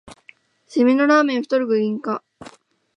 しめのラーメンが太る原因か